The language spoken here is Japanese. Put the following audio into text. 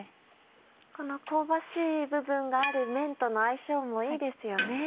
この香ばしい部分があるめんとの相性もいいですよね。